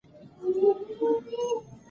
هغه د نيمګړو کارونو دوام غوښت.